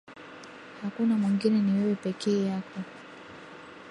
Hakuna mwingine ni wewe pekee yako.